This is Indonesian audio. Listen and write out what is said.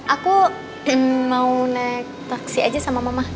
aku mau naik taksi aja sama mama